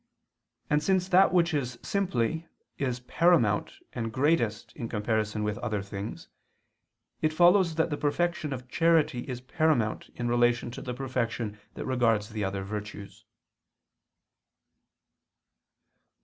And since that which is simply, is paramount and greatest in comparison with other things, it follows that the perfection of charity is paramount in relation to the perfection that regards the other virtues.